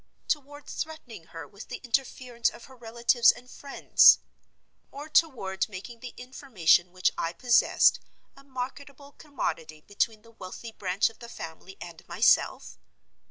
Toward threatening her with the interference of her relatives and friends? Or toward making the information which I possessed a marketable commodity between the wealthy branch of the family and myself?